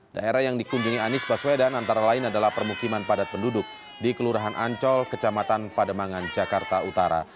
daerah yang dikunjungi anies baswedan antara lain adalah permukiman padat penduduk di kelurahan ancol kecamatan pademangan jakarta utara